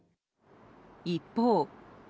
一方。